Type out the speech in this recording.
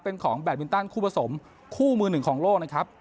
เป็นของแบตมินตันคู่ผสมคู่มือหนึ่งของโลกนะครับ